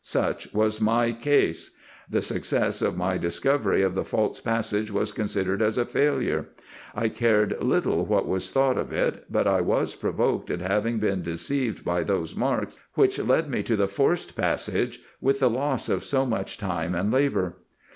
Such was my case. The success of my discovery of the false passage was considered as a failure. I cared little what was thought of it, but I was provoked at having been deceived by those marks, which led me to the forced passage, with the loss of so much time and labour.